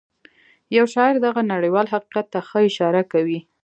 يو شاعر دغه نړيوال حقيقت ته ښه اشاره کوي.